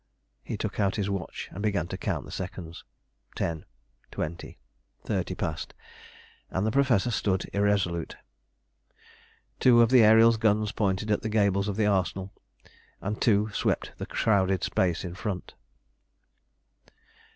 He took out his watch, and began to count the seconds. Ten, twenty, thirty passed and the Professor stood irresolute. Two of the Ariel's guns pointed at the gables of the Arsenal, and two swept the crowded space in front.